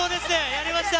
やりました。